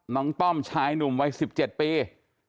ต้อมชายหนุ่มวัย๑๗ปี